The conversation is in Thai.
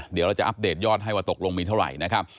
เดี๋ยวเราจะอัปเดตยอดให้ว่าตกลงมีเท่าไหร่นะครับ